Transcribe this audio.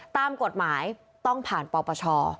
ตามกฎหมายต้องผ่านปปช